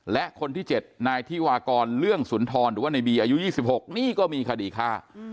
และคนที่๗นายที่วากรเรื่องสุนทรหรือว่าในบีอายุ๒๖นี่ก็มีคดีฆ่า